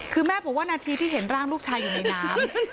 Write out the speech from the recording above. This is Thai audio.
คือแม่บอกว่านาทีที่เห็นร่างลูกชายอยู่ในน้ำ